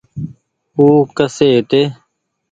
او ڪسي هيتي ۔